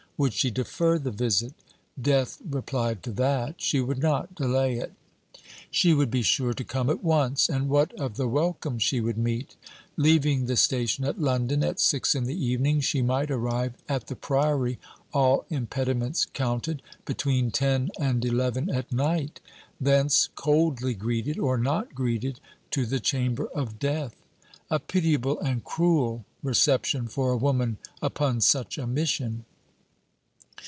Would she defer the visit? Death replied to that. She would not delay it. She would be sure to come at once. And what of the welcome she would meet? Leaving the station at London at six in the evening, she might arrive at the Priory, all impediments counted, between ten and eleven at night. Thence, coldly greeted, or not greeted, to the chamber of death. A pitiable and cruel reception for a woman upon such a mission!